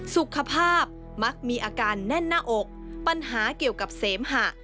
สุขภาพมักมีอาการแน่นหน้าอกปัญหาเกี่ยวกับเสมหะ